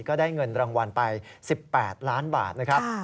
ก็ได้เงินรางวัลไป๑๘ล้านบาทนะครับ